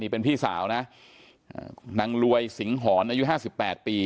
เป็นพี่สาวนะนางรวยสิงหอนอายุ๕๘ปี